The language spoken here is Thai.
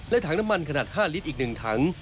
และถังน้ำมันขนาด๕ลิตรอีก๑ถัง